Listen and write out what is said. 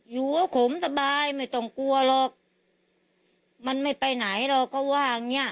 อยู่กับขมสบายไม่ต้องกลัวหรอกมันไม่ไปไหนหรอกก็ว่าอย่างเงี้ย